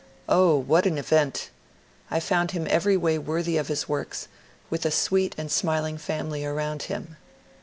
O what an event! I found him every way worthy of his works, with a sweet and smiling family around him.